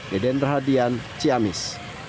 deden rahadian ciamis